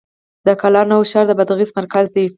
د قلعه نو ښار د بادغیس مرکز دی